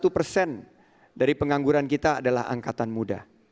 satu persen dari pengangguran kita adalah angkatan muda